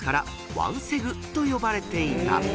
ワンセグと呼ばれていた］